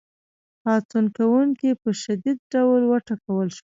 پاڅون کوونکي په شدید ډول وټکول شول.